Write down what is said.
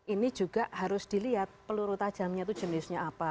ini juga harus dilihat peluru tajamnya itu jenisnya apa